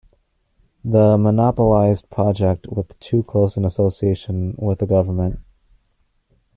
The monopolized project with too close an association with the government.